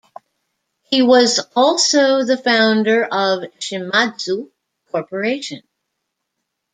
He was also the founder of Shimadzu Corporation.